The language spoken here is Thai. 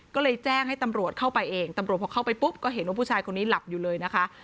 ก็เลยแจ้งให้ตำรวจเข้าไปเองตำรวจพอเข้าไปปุ๊บก็เห็นว่าผู้ชายคนนี้หลับอยู่เลยนะคะ